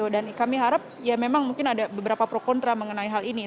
dan kami harap ya memang mungkin ada beberapa pro kontra mengenai hal ini